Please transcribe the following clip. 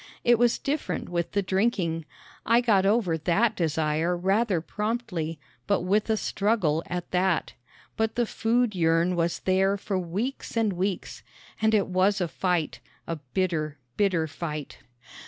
It was different with the drinking. I got over that desire rather promptly, but with a struggle, at that; but the food yearn was there for weeks and weeks, and it was a fight a bitter, bitter fight!